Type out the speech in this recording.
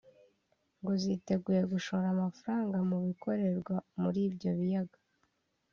ngo ziteguye gushora amafaranga mu bikorerwa muri ibyo biyaga